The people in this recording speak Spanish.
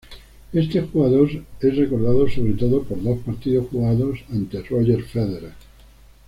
Este jugador es recordado, sobre todo, por dos partidos jugados ante Roger Federer.